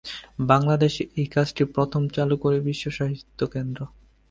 বাংলাদেশে এই কাজটি প্রথম চালু করে বিশ্ব সাহিত্য কেন্দ্র।